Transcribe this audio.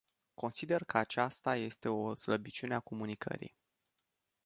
Consider că aceasta este o slăbiciune a comunicării.